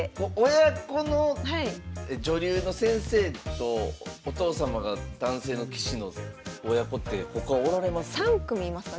親子の女流の先生とお父様が男性の棋士の親子って他おられます？